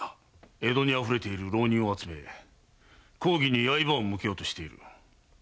江戸に溢れている浪人を集め公儀に刃を向けようとしている。